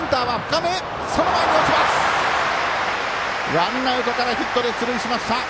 ワンアウトからヒットで出塁しました。